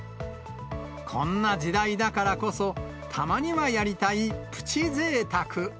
こんな時代だからこそ、たまにはやりたいプチぜいたく。